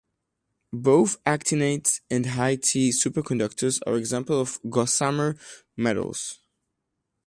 Both the actinides and high T superconductors are examples of gossamer metals.